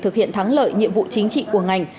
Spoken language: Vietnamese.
thực hiện thắng lợi nhiệm vụ chính trị của ngành